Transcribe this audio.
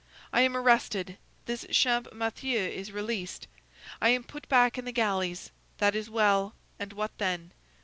I am arrested; this Champmathieu is released; I am put back in the galleys; that is well—and what then?